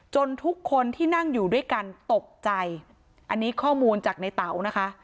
ทุกคนที่นั่งอยู่ด้วยกันตกใจอันนี้ข้อมูลจากในเต๋านะคะ